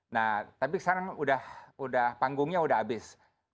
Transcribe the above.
nah tapi sekarang udah udah panggungnya udah abis